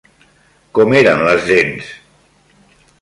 Com eren les dents?